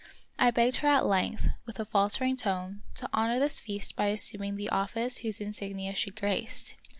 I begged her at length, with a faltering tone, to honor this feast by assuming the office whose insignia she graced.